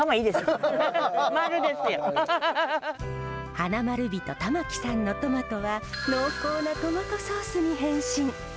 花まる人玉置さんのトマトは濃厚なトマトソースに変身。